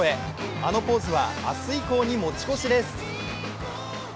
あのポーズは明日以降へ持ち越しです。